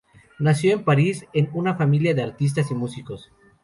Nació en París en una familia de artistas y músicos.